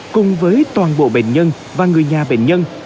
cùng với toàn bộ bệnh nhân và người nhà bệnh nhân